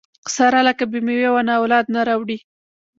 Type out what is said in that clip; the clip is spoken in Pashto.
ساره لکه بې مېوې ونه اولاد نه راوړي.